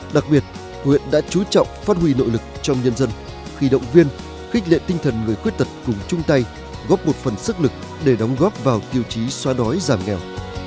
đặc biệt huyện đã chú trọng phát huy nội lực trong nhân dân khi động viên khích lệ tinh thần người khuyết tật cùng chung tay góp một phần sức lực để đóng góp vào tiêu chí xoa đói giảm nghèo